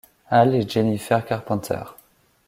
Hall et Jennifer Carpenter.